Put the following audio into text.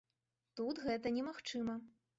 Тут гэта не магчыма.